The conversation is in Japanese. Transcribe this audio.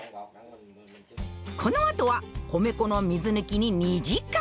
この後は米粉の水抜きに２時間。